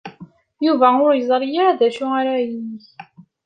Yuba ur yeẓri ara d acu ara yeg.